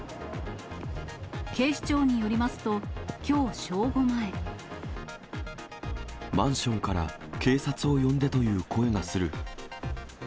警視庁によりますと、きょう正午マンションから警察を呼んでという声がする。